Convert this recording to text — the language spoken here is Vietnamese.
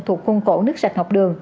thuộc khung cổ nước sạch học đường